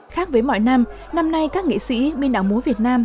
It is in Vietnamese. khác với mọi năm năm nay các nghệ sĩ bên đảng múa việt nam